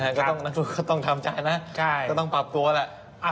ก็ต้องทำชายนะต้องปรับตัวละ